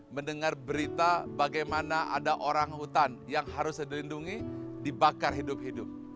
mendengar berita bagaimana ada orang hutan yang harus dilindungi dibakar hidup hidup